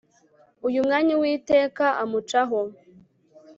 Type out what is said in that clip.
Uwo mwanya Uwiteka amucaho